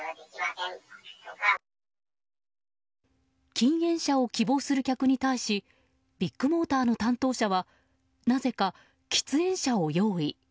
禁煙車を希望する客に対しビッグモーターの担当者はなぜか、喫煙車を用意。